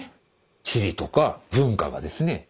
地理とか文化がですね